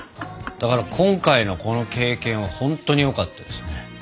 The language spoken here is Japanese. だから今回のこの経験は本当によかったですね。